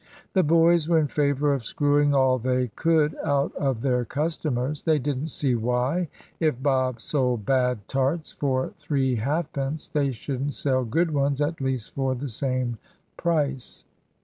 The boys were in favour of screwing all they could out of their customers. They didn't see why, if Bob sold bad tarts for three halfpence, they shouldn't sell good ones at least for the same price.